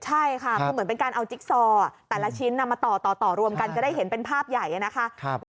ใช่ค่ะคือเหมือนเป็นการเอาจิ๊กซอแต่ละชิ้นมาต่อรวมกันจะได้เห็นเป็นภาพใหญ่นะคะ